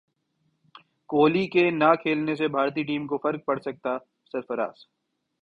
کوہلی کے نہ کھیلنے سے بھارتی ٹیم کو فرق پڑسکتا ہے سرفراز